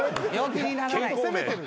ちょっと責めてる。